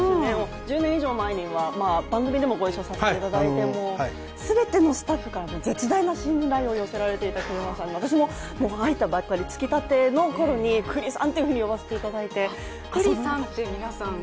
１０年以上前には番組でもご一緒させていただいて全てのスタッフから絶大な信頼を寄せられていた栗山さんの、私も入ったばっかり、つきたてのころに栗さんと呼ばせていただいて。